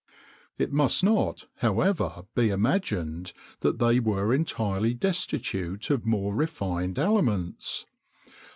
It must not, however, be imagined that they were entirely destitute of more refined aliments.